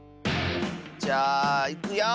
じゃあいくよ。